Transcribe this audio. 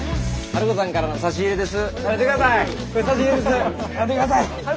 ハルコさんからの差し入れです。